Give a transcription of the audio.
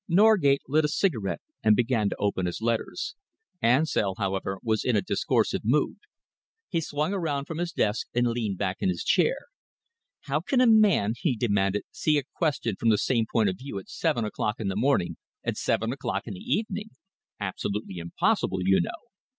Norgate lit a cigarette and began to open his letters. Ansell, however, was in a discoursive mood. He swung around from his desk and leaned back in his chair. "How can a man," he demanded, "see a question from the same point of view at seven o'clock in the morning and seven o'clock in the evening? Absolutely impossible, you know.